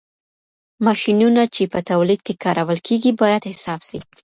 ماشينونه چي په توليد کي کارول کېږي، بايد حساب سي.